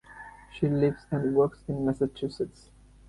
She lives and works in Massachusetts.